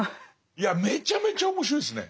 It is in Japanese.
いやめちゃめちゃ面白いですねはい。